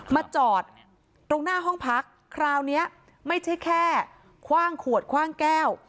มาจอดตรงหน้าห้องพักคราวนี้ไม่ใช่แค่คว่างขวดคว่างแก้ว